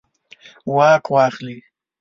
واک واخلي.